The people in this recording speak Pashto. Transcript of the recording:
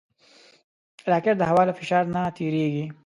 راکټ د هوا له فشار نه تېریږي